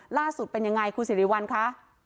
ล่าสุดเป็นยังไงคุณสิริวัลคะ